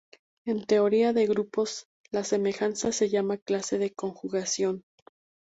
En teoría de grupos, la semejanza se llama clase de conjugación.